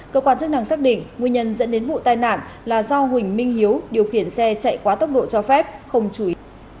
cơ quan chức năng xác định nguyên nhân dẫn đến vụ tai nạn là do huỳnh minh hiếu điều khiển xe chạy quá tốc độ cho phép không chú ý